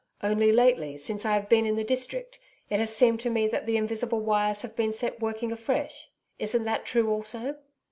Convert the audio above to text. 'Only lately, since I have been in the district, it has seemed to me that the invisible wires have been set working afresh. Isn't that true also?'